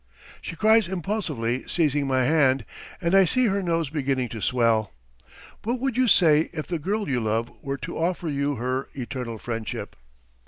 she cries impulsively seizing my hand, and I see her nose beginning to swell. "What would you say if the girl you love were to offer you her eternal friendship?"